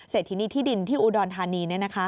เสร็จทีนี้ที่ดินที่อูดอนธานี